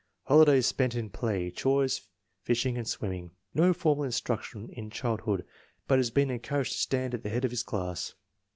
Holidays spent in play, chores, fishing, and swimming. No formal instruction in childhood, but has been encouraged to stand at the head of his class.